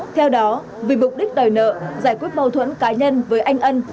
theo đó vì mục đích đòi nợ giải quyết mâu thuẫn cá nhân với anh ân